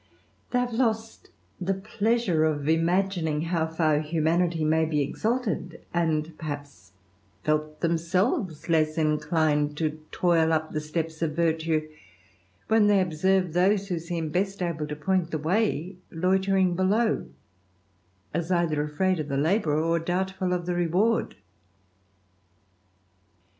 They have lost the I of imagining how far humanity may be exalted, rhaps, felt themselves less inclined to toil up the of virtue, when they observe those who seem best point the way, loitering below, as either afraid of the or doubtful of the reward.